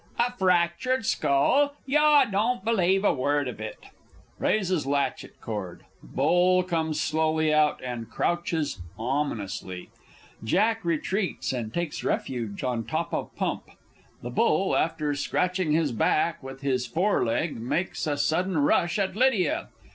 _ A fractured skull? Yah, don't believe a word of it! [Raises latchet: chord; Bull comes slowly out, and crouches ominously; JACK _retreats, and takes refuge on top of pump: the Bull, after scratching his back with his off foreleg, makes a sudden rush at_ LYDIA.